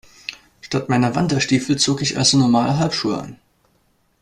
Statt meiner Wanderstiefel zog ich also normale Halbschuhe an.